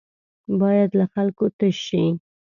بايد له خلکو تش شي.